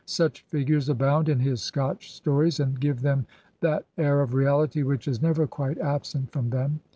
Such figures abound in his Scotch stories and give them that air of reality which is never quite absent from them.